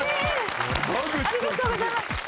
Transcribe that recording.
ありがとうございます。